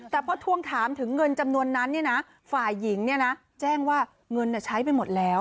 แต่พอทวงถามถึงเงินจำนวนนั้นฝ่ายหญิงแจ้งว่าเงินใช้ไปหมดแล้ว